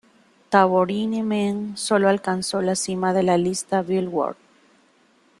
Tambourine Man" solo alcanzó la cima de la lista Billboard.